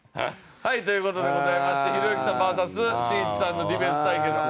はいという事でございましてひろゆきさんＶＳしんいちさんのディベート対決。